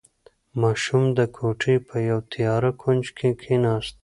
ماشوم د کوټې په یوه تیاره کونج کې کېناست.